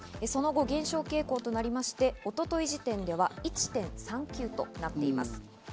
その後、減少傾向となりまして、一昨日時点では１．３９となっています。